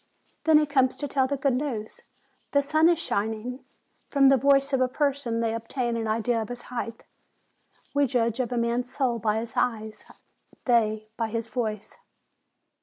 Then he comes to tell the good news, 'The sun is shining!' From the voice of a person they obtain an idea of his height. We judge of a man's soul by his eyes; they, by his voice.